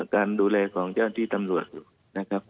การดูแลของเจ้าที่ตำรวจอยู่นะครับ